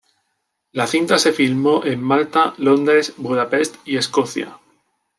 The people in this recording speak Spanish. La cinta se filmó en Malta, Londres, Budapest y Escocia.